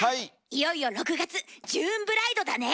いよいよ６月ジューンブライドだね！